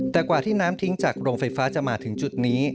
แต่กว่าที่น้ำทิ้งจากโรงไฟฟ้าจะมาถึงจุดนี้